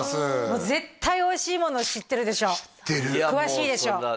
もう絶対おいしいもの知ってるでしょ詳しいでしょいや